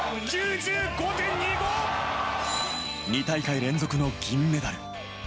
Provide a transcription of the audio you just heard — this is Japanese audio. ２大会連続の銀メダル。